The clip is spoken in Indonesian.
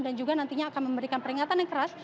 dan juga nantinya akan memberikan peringatan yang keras